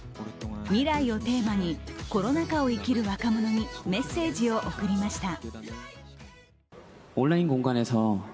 未来をテーマに、コロナ禍を生きる若者にメッセージを送りました。